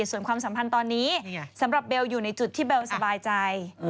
ส่วนความสัมพันธ์ตอนนี้สำหรับเบลอยู่ในจุดที่เบลสบายใจ